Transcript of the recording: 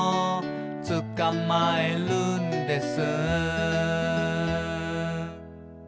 「つかまえるんです」